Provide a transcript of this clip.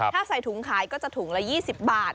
ถ้าใส่ถุงขายก็จะถุงละ๒๐บาท